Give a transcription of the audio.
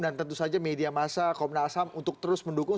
dan tentu saja media massa komnas ham untuk terus mendukung